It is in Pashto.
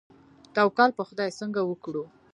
توکل په خدای څنګه وکړو؟